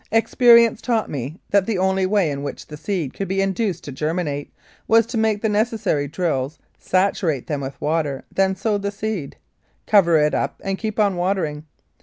Ex perience taught me that the only way in which the seed could be induced to germinate was to make the neces sary drills, saturate them with water, then sow the seed, cover it up and keep on watering.